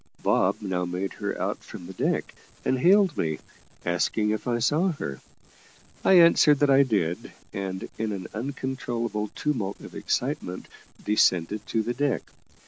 Bob now made her out from the deck, and hailed me, asking if I saw her. I answered that I did, and, in an uncontrollable tumult of excitement, descended to the deck.